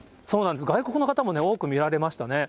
外国の方も多く見られましたね。